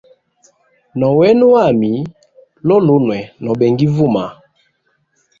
Nowena wami lulunwe, no benga ivuma.